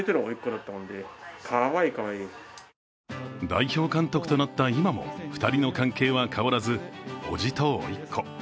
代表監督となった今も２人の関係は変わらず叔父とおいっ子。